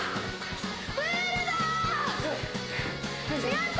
やった！